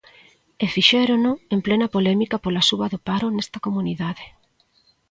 E fixérono en plena polémica pola suba do paro nesta comunidade.